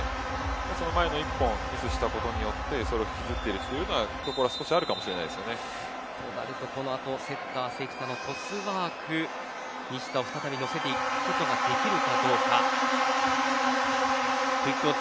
その前に１本ミスしたことによってそれを引きずっているところはこの後、セッター関田のトスワーク西田を再び乗せていくことができるかどうか。